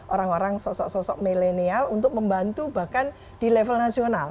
orang orang sosok sosok milenial untuk membantu bahkan di level nasional